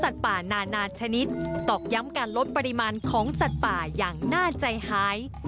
ต่อกย้ำการลดปริมาณของสัตว์ป่าอย่างน่าใจหาย